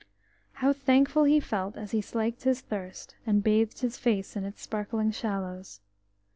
OW thankful he felt as he slaked his thirst, and bathed his face in its sparkling shallows!